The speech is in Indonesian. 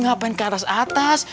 ngapain ke atas atas